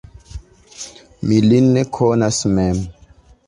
Mi lin ne konas mem!